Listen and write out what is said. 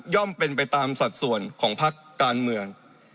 ย่อมเป็นไปตามสัดส่วนของภาคการเมือง